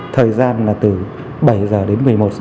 thời gian là từ bảy h đến một mươi một h